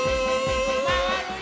まわるよ。